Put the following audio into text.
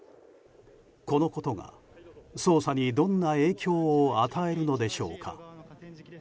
このことが捜査に、どんな影響を与えるのでしょうか。